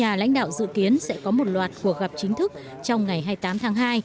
nhà lãnh đạo dự kiến sẽ có một loạt cuộc gặp chính thức trong ngày hai mươi tám tháng hai